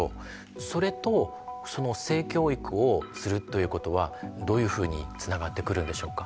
それとその性教育をするということはどういうふうにつながってくるんでしょうか？